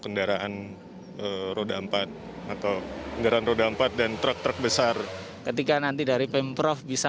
kendaraan roda empat atau kendaraan roda empat dan truk truk besar ketika nanti dari pemprov bisa